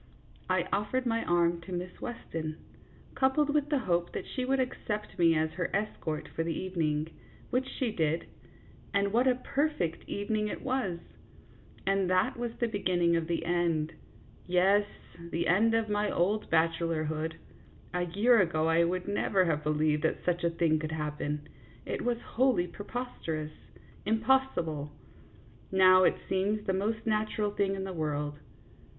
I offered my arm to Miss Weston, coupled with the hope that she would accept me as her es cort for the evening, which she did, and what a per fect evening it was ! And that was the beginning of the end yes, the end of my old bachelorhood. A year ago I would never have believed that such a thing could happen. It was wholly preposterous, impossible; now it seems the most natural thing in the world.